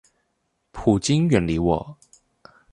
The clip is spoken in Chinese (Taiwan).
普京遠離我